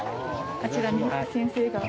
あちらに先生が。